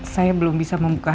saya belum bisa membukanya